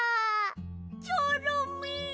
チョロミー！